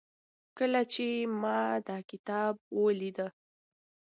کله چې ما دا کتاب وليده